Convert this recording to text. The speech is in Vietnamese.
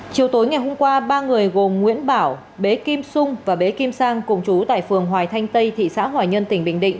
chiều tối ngày hôm qua ba người gồm nguyễn bảo bế kim sung và bế kim sang cùng chú tại phường hoài thanh tây thị xã hoài nhơn tỉnh bình định